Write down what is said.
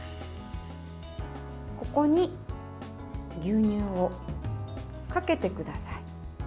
ここに牛乳をかけてください。